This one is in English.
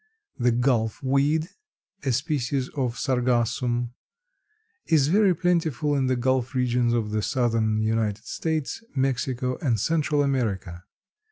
The Gulf weed, a species of Sargassum, is very plentiful in the gulf regions of the southern United States, Mexico and Central America.